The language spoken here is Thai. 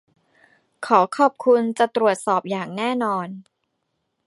ขอขอบคุณ. จะตรวจสอบอย่างแน่นอน